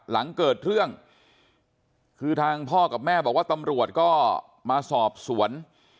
หลังเกิดเรื่องคือทางพ่อกับแม่บอกว่าตำรวจก็มาสอบสวน